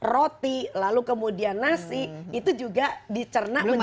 roti lalu kemudian nasi itu juga dicernak menjadi gula